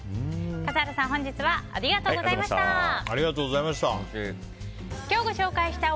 笠原さん、本日はありがとうございました。